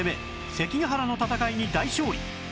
関ヶ原の戦いに大勝利